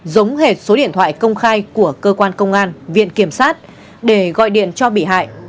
giống hệt số điện thoại công khai của cơ quan công an viện kiểm sát để gọi điện cho bị hại